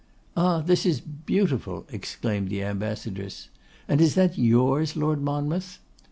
'Ah! this is beautiful!' exclaimed the Ambassadress. 'And is that yours, Lord Monmouth?